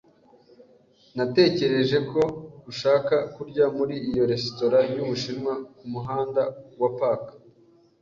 Natekereje ko ushaka kurya muri iyo resitora yubushinwa kumuhanda wa Park.